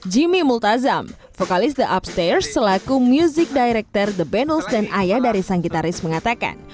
jimmy multazam vokalis the upstairs selaku music director the bundles dan ayah dari sang gitaris mengatakan